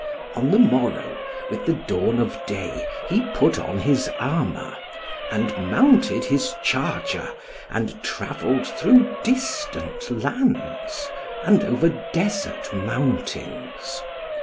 On the morrow, with the dawn of day, he put on his armour, and mounted his charger, and travelled through distant lands, and over desert mountains.